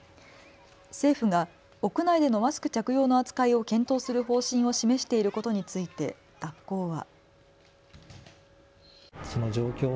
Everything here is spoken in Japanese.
政府が屋内でのマスク着用の扱いを検討する方針を示していることについて学校は。